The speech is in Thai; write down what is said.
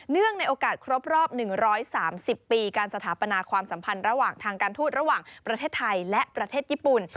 ในโอกาสครบรอบ๑๓๐ปีการสถาปนาความสัมพันธ์ระหว่างทางการทูตระหว่างประเทศไทยและประเทศญี่ปุ่น